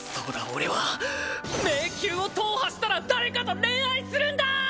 俺は迷宮を踏破したら誰かと恋愛するんだー！